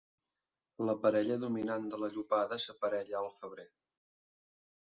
La parella dominant de la llopada s'aparella al febrer.